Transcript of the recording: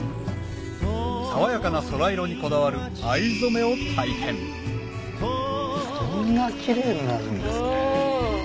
爽やかな空色にこだわる藍染めを体験こんなキレイになるんですね。